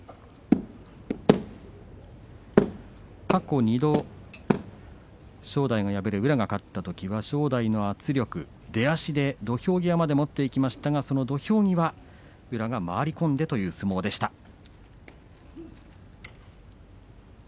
過去２度、正代が敗れて宇良が勝ったときは正代の圧力、出足で土俵際まで持っていきましたが土俵際は宇良が回り込んでという相撲でした。